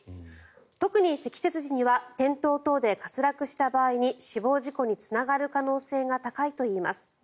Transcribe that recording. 特に積雪時には転倒等で滑落した場合に死亡事故につながる可能性が高いといいます。